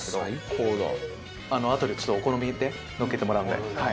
あとでちょっとお好みでのっけてもらうんで。